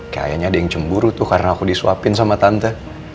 kayaknya ada yang cemburu tuh karena aku disuapin sama tante